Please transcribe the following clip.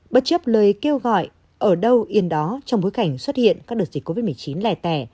bất chấp lời kêu gọi ở đâu yên đó trong bối cảnh xuất hiện các đợt dịch covid một mươi chín lẻ tẻ